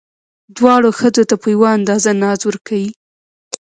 دواړو ښځو ته په یوه اندازه ناز ورکئ.